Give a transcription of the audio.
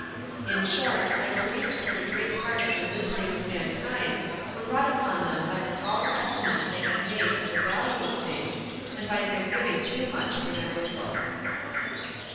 In short, I believed that a great part of the miseries of mankind were brought upon them by the false estimates they had made of the value of things, and by their giving too much for their whistles.